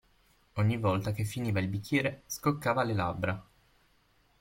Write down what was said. Ogni volta che finiva il bicchiere scoccava le labbra.